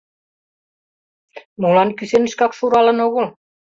Молан кӱсенышкак шуралын огыл?